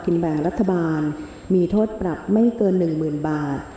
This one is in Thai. แบ่งรัฐบาลมีโทษปรับไม่เกิน๑๐๐๐บาท